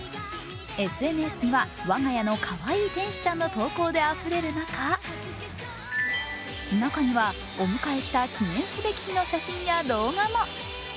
ＳＮＳには我が家のかわいい天使ちゃんの投稿であふれる中、中には、お迎えした記念すべき日の写真や動画も。